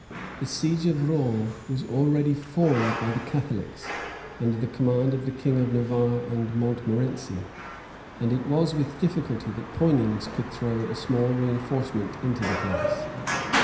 [] The siege of Rouen was already formed by the Catholics, under the command of the king of Navarre and Montmorency; and it was with difficulty that Poinings could throw a small reënforcement into the place.